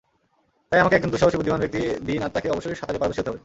তাই আমাকে একজন দুঃসাহসী বুদ্ধিমান ব্যক্তি দিন আর তাকে অবশ্যই সাঁতারে পারদর্শী হতে হবে।